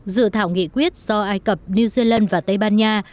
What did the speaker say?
dự thảo nghị quyết do ai cập new zealand và tây ban nha